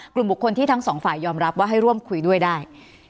กลุ่มบุคคลที่ทั้งสองฝ่ายยอมรับว่าให้ร่วมคุยด้วยได้